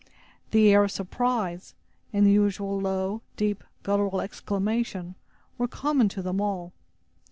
The air of surprise, and the usual low, deep, guttural exclamation, were common to them all.